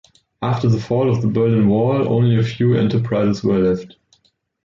After the fall of the Berlin Wall, only a few enterprises were left.